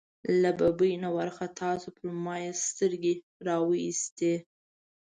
له ببۍ نه وار خطا شو، پر ما یې سترګې را وایستې.